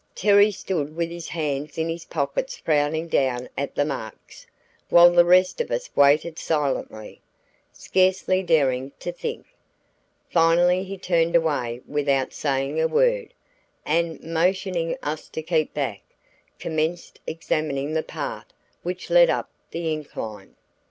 Terry stood with his hands in his pockets frowning down at the marks, while the rest of us waited silently, scarcely daring to think. Finally he turned away without saying a word, and, motioning us to keep back, commenced examining the path which led up the incline.